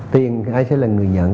tiền ai sẽ là người nhận